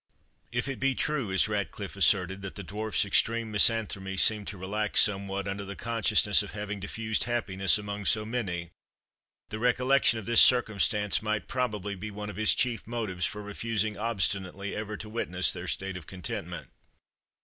If it be true, as Ratcliffe asserted, that the Dwarf's extreme misanthropy seemed to relax somewhat, under the consciousness of having diffused happiness among so many, the recollection of this circumstance might probably be one of his chief motives for refusing obstinately ever to witness their state of contentment.